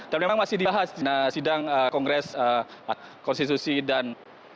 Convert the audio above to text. dan memang masih dibahas di sidang kongres konstitusi dan